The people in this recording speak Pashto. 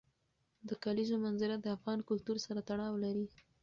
د کلیزو منظره د افغان کلتور سره تړاو لري.